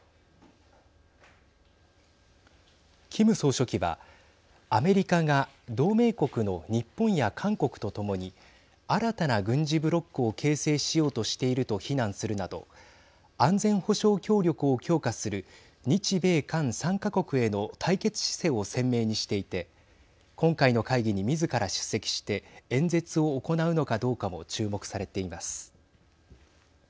キム総書記はアメリカが同盟国の日本や韓国と共に新たな軍事ブロックを形成しようとしていると非難するなど安全保障協力を強化する日米韓３か国への対決姿勢を鮮明にしていて今回の会議にみずから出席して演説を行うのかどうかも注目されています。